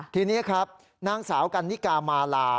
ทีนี้ครับนางสาวกันนิกามาลา